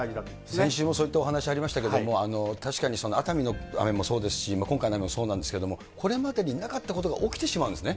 最近もそういったお話ありましたけれども、確かに熱海の雨もそうですし、今回の雨もそうなんですけれども、これまでになかったことが起きてしまうんですね。